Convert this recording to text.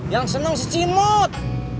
yang seneng si cimot